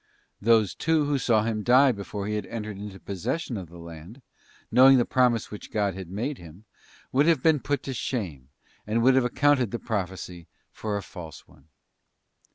Those, too, who saw him die before he had entered into possession of the land, knowing the promise which God had made him, would have been put to shame, and would have accounted the prophecy for a false one.